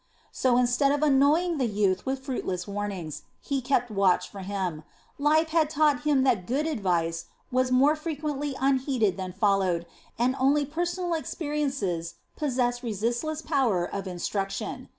So instead of annoying the youth with fruitless warnings, he kept watch for him; life had taught him that good advice is more frequently unheeded than followed, and only personal experiences possess resistless power of instruction.